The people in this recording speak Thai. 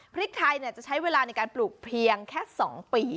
พริกไทยจะใช้เวลาในการปลูกเพียงแค่๒ปี